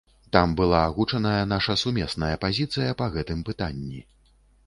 Там была агучаная наша сумесная пазіцыя па гэтым пытанні.